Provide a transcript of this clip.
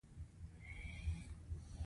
د غږ ثبتولو وروسته خپل غږ یو ځل بیرته واورئ.